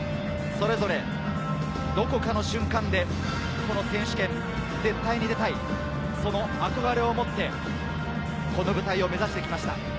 それぞれどこかの瞬間でこの選手権に絶対に出たい、その憧れを持って、この舞台を目指してきました。